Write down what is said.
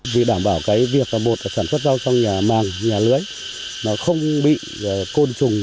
vì đảm bảo việc sản xuất rau trong nhà màng nhà lưới không bị côn trùng